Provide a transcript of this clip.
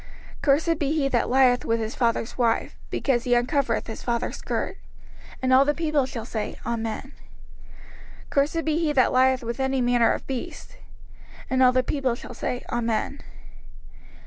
05:027:020 Cursed be he that lieth with his father's wife; because he uncovereth his father's skirt. And all the people shall say, Amen. 05:027:021 Cursed be he that lieth with any manner of beast. And all the people shall say, Amen.